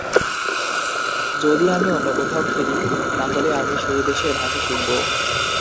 যদি আমি অন্য কোথাও খেলি, তাহলে আমি সেই দেশের ভাষা শিখব।